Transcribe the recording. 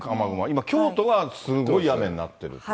今、京都がすごい雨になってるという。